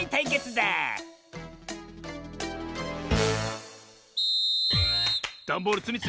ダンボールつみつみスタート！